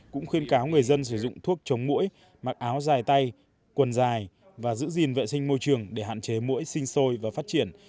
cũng khuyên cáo người dân sử dụng thuốc chống mũi mặc áo dài tay quần dài và giữ gìn vệ sinh môi trường để hạn chế mũi sinh sôi và phát triển